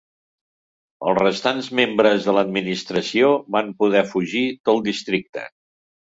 Els restants membres de l'Administració van poder fugir del districte.